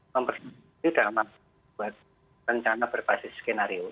mempersiapkan dalam rencana berbasis skenario